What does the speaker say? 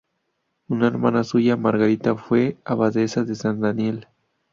Una hermana suya, Margarita, fue abadesa de San Daniel.